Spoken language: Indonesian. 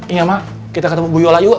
iya ma kita ketemu bu yola yuk